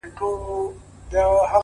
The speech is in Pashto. لكه سپوږمۍ چي ترنده ونيسي-